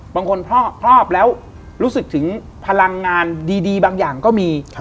บางคนครอบแล้วรู้สึกถึงพลังงานดีบางอย่างก็มี